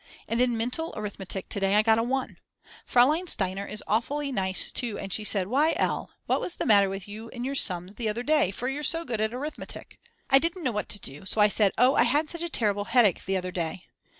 And in mental arithmetic to day I got a One. Fraulein Steiner is awfully nice too and she said: Why, L. what was the matter with you in your sums the other day, for you're so good at arithmetic? I didn't know what to do so I said: Oh I had such a headache the other day.